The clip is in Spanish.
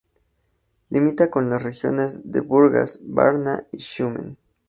Limita con las regiones de Burgas, Varna y Shumen.